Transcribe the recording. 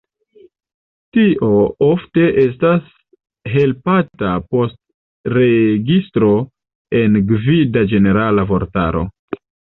Tio ofte estas helpata post registro en gvida ĝenerala vortaro.